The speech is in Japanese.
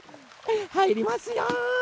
はいりますよ！